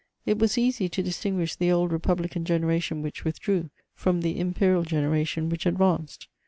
It was easy to distinguish the old republican gene ration which withdrew, from the imperial generation which advanced.